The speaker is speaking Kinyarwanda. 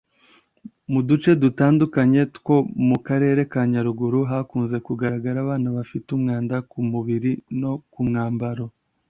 Mu duce dutandukanye two mu karere ka Nyaruguru hakunze kugaragara abana bafite umwanda ku mubiri no ku myambaro